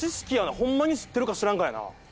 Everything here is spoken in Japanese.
ホンマに知ってるか知らんかやな。